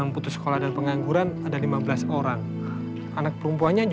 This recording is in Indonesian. aku tidak pernah memilikinya